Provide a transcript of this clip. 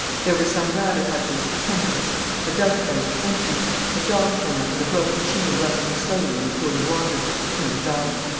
There were some rabbit hutches, tenantless; a dovecote, empty; a dog kennel, and a broken chain rusting slowly in a pool of water, but no dog.